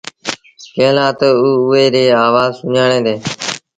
ڪݩهݩ لآ تا او اُئي ريٚ آوآز سُڃآڻي دينٚ۔